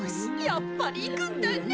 やっぱりいくんだね。